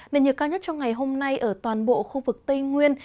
nền nhiệt cao nhất trong ngày hôm nay ở toàn bộ khu vực tây nguyên